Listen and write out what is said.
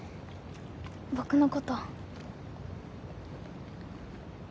僕のこと。